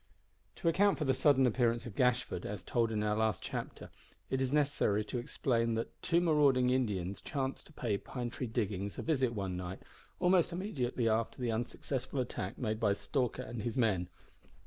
To account for the sudden appearance of Gashford, as told in our last chapter, it is necessary to explain that two marauding Indians chanced to pay Pine Tree Diggings a visit one night, almost immediately after the unsuccessful attack made by Stalker and his men.